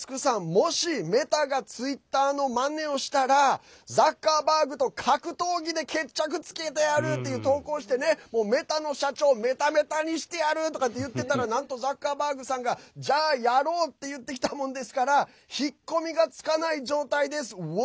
もしメタがツイッターのまねをしたらザッカーバーグと格闘技で決着つけてやる！っていう投稿してメタの社長メタメタにしてやる！とかって言ってたらなんと、ザッカーバーグさんがじゃあ、やろう！って言ってきたもんですから引っ込みがつかない状態です。